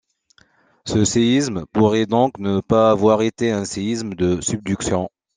Ce séisme pourrait donc ne pas avoir été un séisme de subduction.